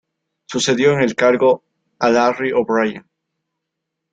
Sucedió en el cargo a Larry O'Brien.